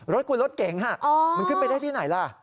รถคุณรถเก๋งมันขึ้นไปได้ที่ไหนล่ะ